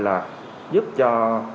là giúp cho